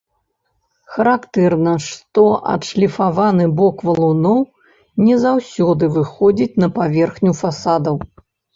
Характэрна, што адшліфаваны бок валуноў не заўсёды выходзіць на паверхню фасадаў.